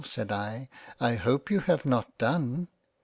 said I, I hope you have not done."